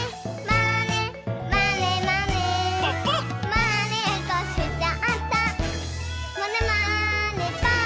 「まねっこしちゃったまねまねぽん！」